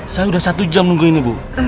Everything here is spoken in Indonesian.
saya sudah satu jam nunggu ini bu